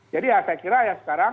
jadi ya saya kira ya sekarang